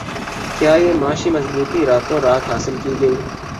کیا یہ معاشی مضبوطی راتوں رات حاصل کی گئی